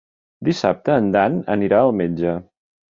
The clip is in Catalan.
Dissabte en Dan anirà al metge.